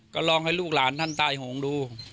ก็ลองให้ลูกหลานท่านตายโหงดู